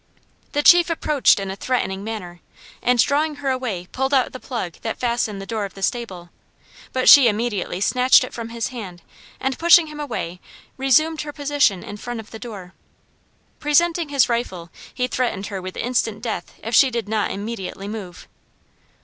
The chief approached in a threatening manner, and drawing her away pulled out the plug that fastened the door of the stable, but she immediately snatched it from his hand, and pushing him away resumed her position in front of the door. Presenting his rifle, he threatened her with instant death if she did not immediately move.